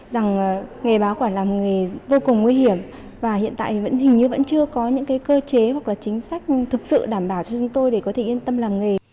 rằng nghề báo quản làm nghề vô cùng nguy hiểm và hiện tại hình như vẫn chưa có những cơ chế hoặc chính sách thực sự đảm bảo cho chúng tôi để có thể yên tâm làm nghề